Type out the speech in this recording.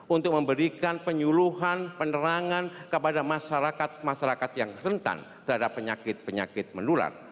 untuk memberikan penyuluhan penerangan kepada masyarakat masyarakat yang rentan terhadap penyakit penyakit menular